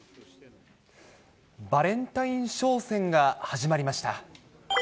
バレンタイン商戦が始まりました。